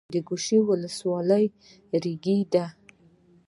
د ګوشتې ولسوالۍ ریګي ده